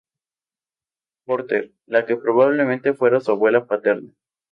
Porter", la que probablemente fuera su abuela paterna.